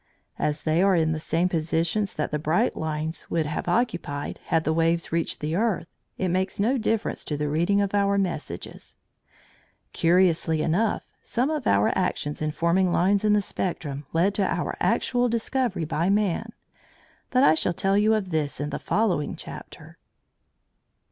As they are in the same positions that the bright lines would have occupied had the waves reached the earth, it makes no difference to the reading of our messages. Curiously enough, some of our actions in forming lines in the spectrum led to our actual discovery by man; but I shall tell you of this in the following chapter.